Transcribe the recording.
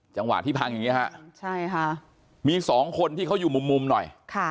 จังหวะที่พังอย่างนี้มี๒คนที่เขาอยู่มุมหน่อย